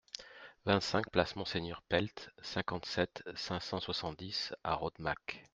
vingt-cinq place Monseigneur Pelt, cinquante-sept, cinq cent soixante-dix à Rodemack